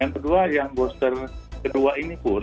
yang kedua yang booster kedua ini pun